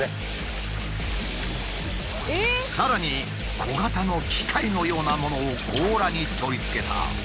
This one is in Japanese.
さらに小型の機械のようなものを甲羅に取りつけた。